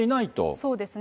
そうですね。